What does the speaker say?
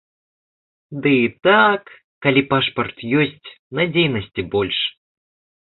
Ды і так, калі пашпарт ёсць, надзейнасці больш.